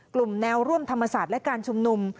แนวร่วมธรรมศาสตร์และการชุมนุม